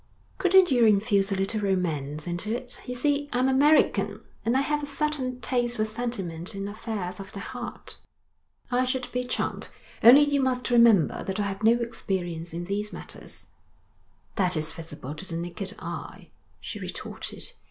'Couldn't you infuse a little romance into it? You see, I'm American, and I have a certain taste for sentiment in affairs of the heart.' 'I should be charmed, only you must remember that I have no experience in these matters.' 'That is visible to the naked eye,' she retorted.